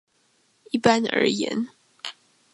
一般而言